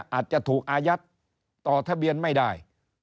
อาจจะถูกอายัดต่อทะเบียนไม่ได้